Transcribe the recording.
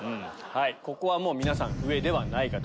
ここは皆さん上ではないかと。